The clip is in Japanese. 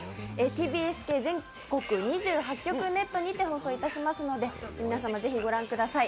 ＴＢＳ系全国２８局ネットにて放送いたしますので皆様、ぜひご覧ください。